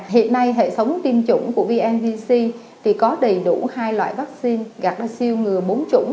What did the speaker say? hiện nay hệ thống tiêm chủng của vnvc thì có đầy đủ hai loại vaccine gặt siêu ngừa bốn chủng